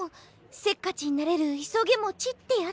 せっかちになれるいそげもちってやつ。